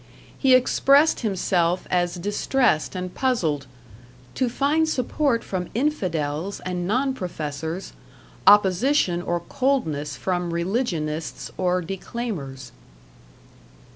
He expressed himself as distressed and puzzled "to find support from infidels and non professors; opposition or coldness from religionists or declaimers."